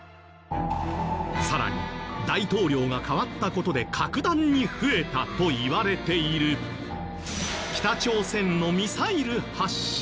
さらに大統領が代わった事で格段に増えたといわれている北朝鮮のミサイル発射。